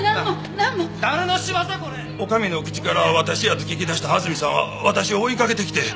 女将の口から私やと聞き出した安住さんは私を追いかけてきて。